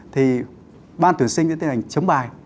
thì ban tuyển sinh sẽ tiến hành chấm bài